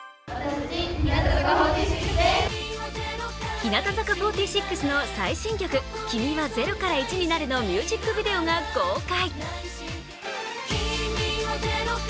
日向坂４６の最新曲「君は０から１になれ」のミュージックビデオが公開。